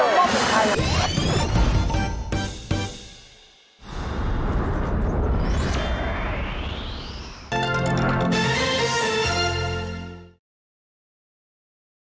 ละม่อมเป็นใครนะ